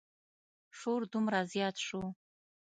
شور دومره زیات شو.